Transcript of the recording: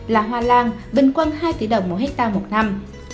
lạ hoa lan bình quân hai tỷ đồng một ha một năm